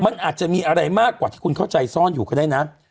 มันอาจจะมีอะไรมากกว่าที่คุณเข้าใจซ่อนอยู่ก็ได้นะ